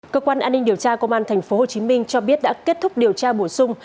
cơ quan an ninh điều tra công an tp hcm cho biết đã kết thúc điều tra bổ sung